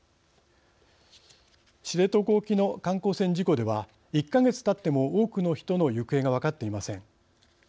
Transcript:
知床沖の観光船事故では１か月たっても多くの人の行方が分かっていません。